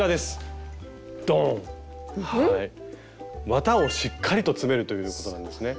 綿をしっかりと詰めるということなんですね。